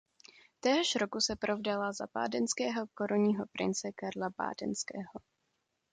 Téhož roku se provdala za bádenského korunního prince Karla Bádenského.